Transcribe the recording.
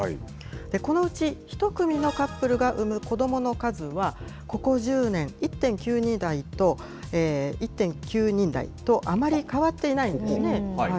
このうち、１組のカップルが産む子どもの数は、ここ１０年、１．９人台と、あまり変わっていないんですね。